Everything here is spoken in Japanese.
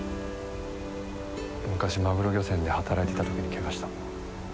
昔マグロ漁船で働いてた時に怪我した。